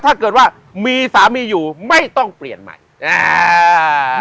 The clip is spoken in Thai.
ถ้าเกิดว่ามีสามีอยู่ไม่ต้องเปลี่ยนใหม่อ่า